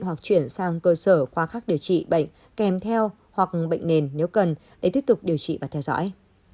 hoặc chuyển sang cơ sở khoa khác điều trị bệnh kèm theo hoặc bệnh nền nếu cần để tiếp tục điều trị và theo dõi